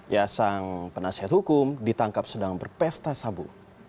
ya sang penasihat hukum ditangkap sedang berpesta sabu